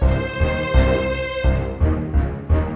terima kasih bang